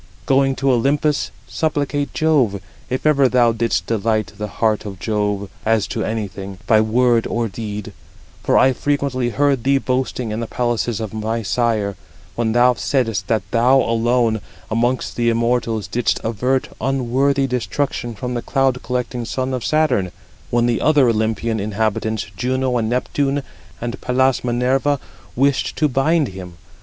Going to Olympus, supplicate Jove, if ever thou didst delight the heart of Jove as to anything, by word or deed; for I frequently heard thee boasting in the palaces of my sire, when thou saidest that thou alone, amongst the immortals, didst avert unworthy destruction from the cloud collecting son of Saturn, when the other Olympian inhabitants, Juno, and Neptune, and Pallas Minerva, wished to bind him.